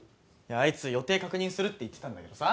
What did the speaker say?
あいつ予定確認するって言ってたんだけどさ